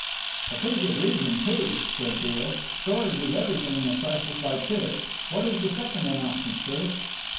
"A pretty good reason, too," said Beale, "storage is everything in a crisis like this. What is the second announcement, sir?"